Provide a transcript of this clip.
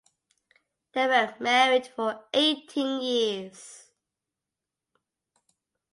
They were married for eighteen years.